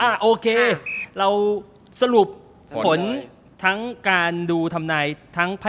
โอเคเราสรุปผลทั้งการดูทำนายทั้ง